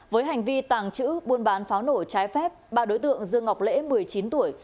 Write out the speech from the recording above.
với hành vi tàng trữ buôn bán pháo nổ trái phép ba đối tượng dương ngọc lễ một mươi chín tuổi